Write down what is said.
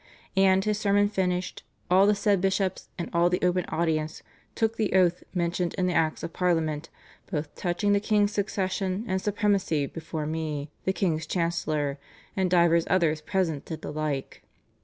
And, his sermon finished, all the said bishops, in all the open audience, took the oath mentioned in the Acts of Parliament, both touching the king's succession and supremacy, before me, the king's chancellor; and divers others present did the like."